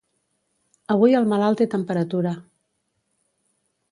Avui el malalt té temperatura.